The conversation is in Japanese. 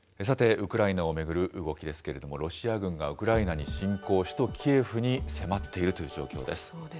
さて、ウクライナを巡る動きですけれども、ロシア軍がウクライナに侵攻、首都キエフに迫っているという状況です。